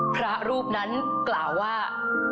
พระรูปนั้นกล่าวว่า